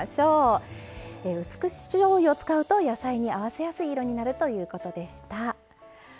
うす口しょうゆを使うと野菜に合わせやすい色になるということでした。